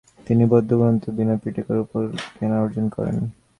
তিনি বৌদ্ধ ধর্মগ্রন্থ বিনয়-পিটকের উপর জ্ঞানার্জন করেন।